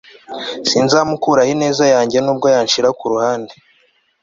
sinzamukuraho ineza yanjye nubwo yanshyira ku ruhande